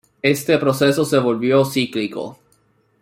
Este proceso se volvió cíclico.